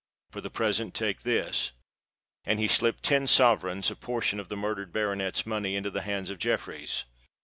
For the present take this!" And he slipped ten sovereigns—a portion of the murdered baronet's money—into the hands of Jeffreys.